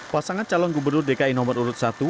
pasangan calon gubernur dki nomor urut satu